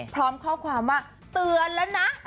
พร้อมข้อความว่าเตือนแล้วนะ